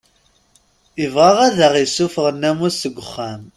Ibɣa ad aɣ-issufeɣ nnamus seg uxxam.